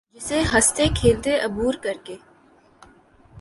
جسے ہنستے کھیلتے عبور کر کے